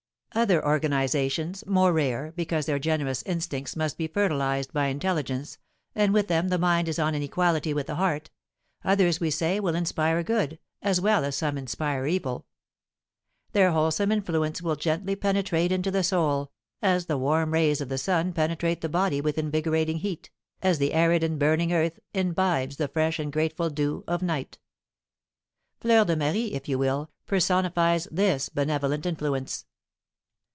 Other organisations, more rare, because their generous instincts must be fertilised by intelligence, and with them the mind is on an equality with the heart, others, we say, will inspire good, as well as some inspire evil. Their wholesome influence will gently penetrate into the soul, as the warm rays of the sun penetrate the body with invigorating heat, as the arid and burning earth imbibes the fresh and grateful dew of night. Fleur de Marie, if you will, personifies this benevolent influence.